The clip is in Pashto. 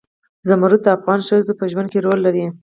زمرد د افغان ښځو په ژوند کې رول لري.